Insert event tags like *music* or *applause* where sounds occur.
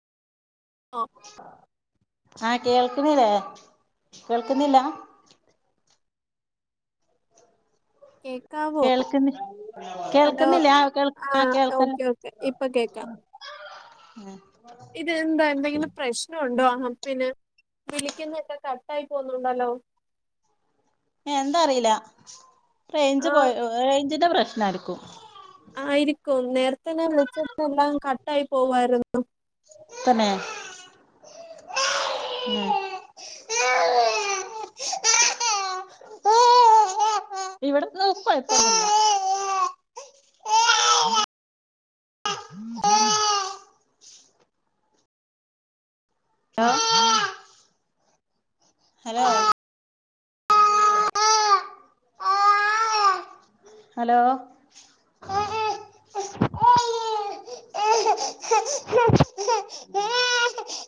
ഓ ആ കേൾക്കുന്നില്ലേ കേൾക്കുന്നില്ല കേക്കാവോ കേൾക്കുന്ന ഹലോ കേൾക്കുന്നില്ല കേൾ ആ ആഹ് കേൾക്കല്ല ഓക്കേ ഓക്കെ ഇപ്പൊ കേക്കാം ഇത എന്താ എന്തെങ്കിലും പ്രശ്നം ഉണ്ടോ ആഹ് പിന്നെ വിളിക്കുന്ന ഒക്കെ കട്ട് ആയി പോവുന്നുണ്ടല്ലോ എന്താ അറിയില്ല റേഞ്ച് ആ പോയ റേഞ്ചിന്റെ പ്രശ്‌നം നടക്കും ആയിരിക്കും നേരത്തെ നേരത്തെ തന്നെ വിളിച്ചിട്ട് എല്ലാം കട്ട് ആയി പോവുവായിരുന്നു *unintelligible* ഇവിടുന്ന് ഹലോ ഹലോ *inaudible* ഹലോ